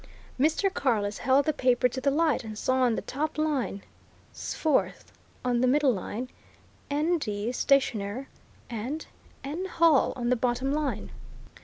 Mr. Carless held the paper to the light and saw on the top line, ... "sforth," on the middle line, ... "nd Stationer" and, ... "n Hill" on the bottom line.